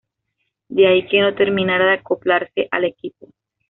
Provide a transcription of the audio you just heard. De ahí que no terminara de acoplarse al equipo.